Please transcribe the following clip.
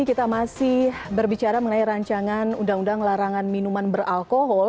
kita masih berbicara mengenai rancangan undang undang larangan minuman beralkohol